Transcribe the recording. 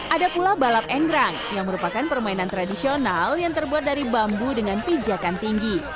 ada pula balap engrang yang merupakan permainan tradisional yang terbuat dari bambu dengan pijakan tinggi